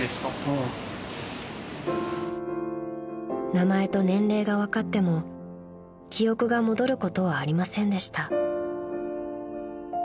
［名前と年齢が分かっても記憶が戻ることはありませんでした］